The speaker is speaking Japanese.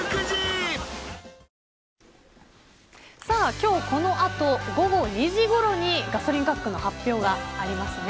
今日、この後午後２時ごろにガソリン価格の発表がありますね。